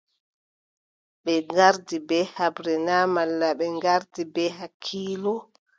Ɓe ngardi bee haɓre na malla ɓe ngardi bee hakkiilo ?